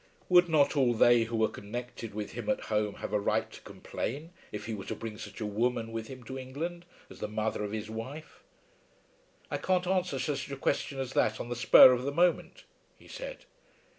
Would not all they who were connected with him at home have a right to complain if he were to bring such a woman with him to England as the mother of his wife. "I can't answer such a question as that on the spur of the moment," he said.